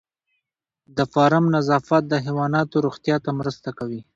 د فارم نظافت د حیواناتو روغتیا ته مرسته کوي.